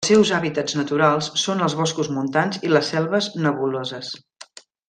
Els seus hàbitats naturals són els boscos montans i les selves nebuloses.